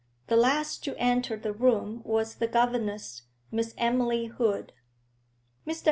The last to enter the room was the governess, Miss Emily Hood. Mr.